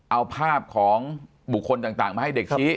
เอาภาพของบุคคลต่างมาให้เด็กชี้